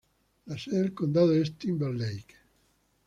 La sede del condado es Timber Lake.